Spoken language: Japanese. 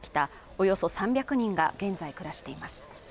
およそ３００人が現在暮らしています